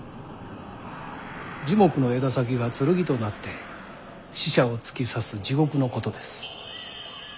樹木の枝先が剣となって死者を突き刺す地獄のことです。